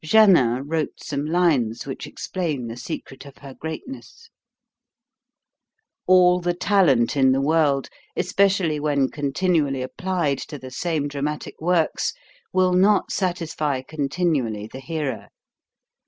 Janin wrote some lines which explain the secret of her greatness: All the talent in the world, especially when continually applied to the same dramatic works, will not satisfy continually the hearer.